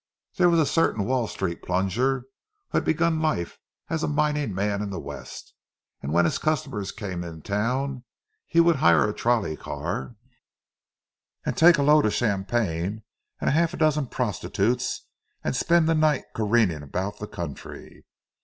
There was a certain Wall Street "plunger," who had begun life as a mining man in the West; and when his customers came in town, he would hire a trolley car, and take a load of champagne and half a dozen prostitutes, and spend the night careering about the country.